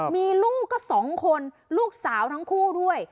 มีลูกก็๒คนลูกสาวทั้งคู่ด้วย